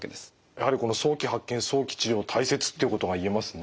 やはり早期発見早期治療大切っていうことが言えますね。